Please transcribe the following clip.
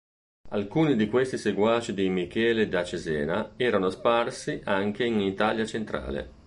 Alcuni di questi seguaci di Michele da Cesena erano sparsi anche in Italia centrale.